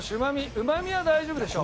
うま味は大丈夫でしょ。